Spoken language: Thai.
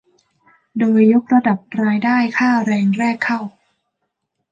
โดยยกระดับรายได้ค่าแรงแรกเข้า